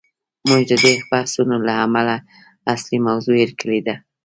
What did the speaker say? موږ د دې بحثونو له امله اصلي موضوع هیر کړې ده.